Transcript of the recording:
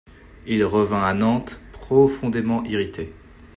Il revint à Nantes profondément irrité.